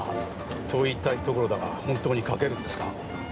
と言いたいところだが本当に書けるんですか？